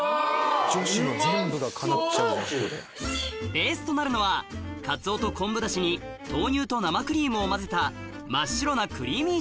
ベースとなるのはカツオと昆布ダシに豆乳と生クリームを混ぜた真っ白なクリーミー